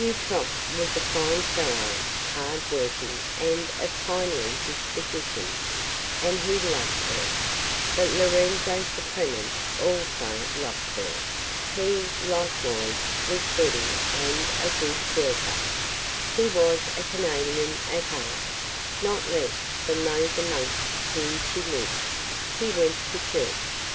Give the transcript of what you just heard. Eutrope was a fine fellow, hard working and of kindly disposition, and he loved her; but Lorenzo Surprenant also loved her; he, likewise, was steady and a good worker; he was a Canadian at heart, not less than those amongst whom she lived; he went to church